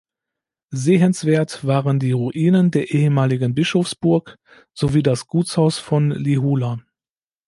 Sehenswert waren die Ruinen der ehemaligen Bischofsburg sowie das Gutshaus von Lihula.